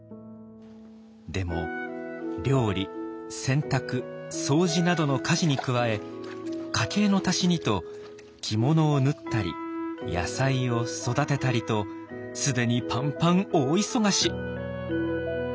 でも料理洗濯掃除などの家事に加え家計の足しにと着物を縫ったり野菜を育てたりと既にパンパン大忙し。